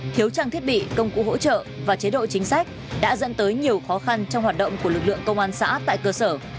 thiếu trang thiết bị công cụ hỗ trợ và chế độ chính sách đã dẫn tới nhiều khó khăn trong hoạt động của lực lượng công an xã tại cơ sở